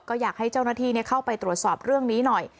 ก็อยากให้เจ้าหน้าที่เข้าไปตรวจสอบเรื่องนี้หน่อย